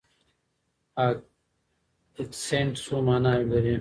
اکسنټ څو ماناوې لري؟